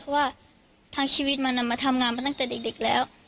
เพราะว่าทั้งชีวิตมันมาทำงานมาตั้งแต่เด็กแล้ว